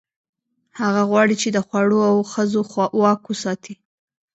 هغه غواړي، چې د خوړو او ښځو واک وساتي.